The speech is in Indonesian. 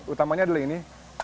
utamanya adalah ini